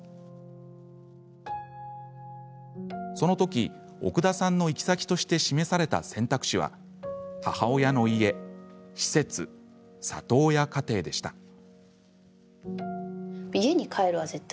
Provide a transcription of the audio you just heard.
そのとき奥田さんの行き先として示された選択肢は母親の家、施設、里親家庭でした。